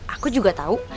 aku juga tau